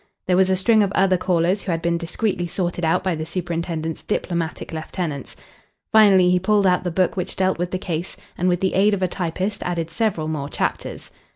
There was a string of other callers who had been discreetly sorted out by the superintendent's diplomatic lieutenants. Finally, he pulled out the book which dealt with the case, and with the aid of a typist added several more chapters.